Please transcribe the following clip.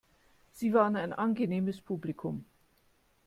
Sie waren ein angenehmes Publikum.